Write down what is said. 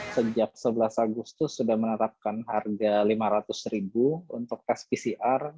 sejak sebelas agustus sudah menetapkan harga rp lima ratus untuk tes pcr